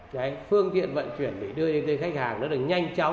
cái phương tiện vận chuyển để đưa đến tới khách hàng rất là nhanh chóng